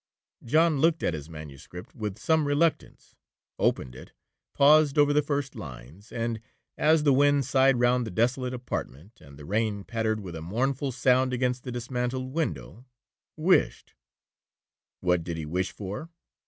John looked at his manuscript with some reluctance, opened it, paused over the first lines, and as the wind sighed round the desolate apartment, and the rain pattered with a mournful sound against the dismantled window, wished—what did he wish for?